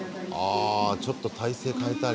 ああちょっと体勢変えたり。